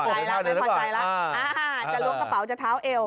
อ้าวจะลวงกระเป๋าจะเท้าเอว